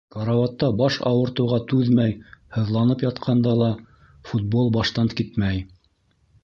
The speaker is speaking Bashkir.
Карауатта баш ауыртыуға түҙмәй һыҙланып ятҡанда ла футбол баштан китмәй.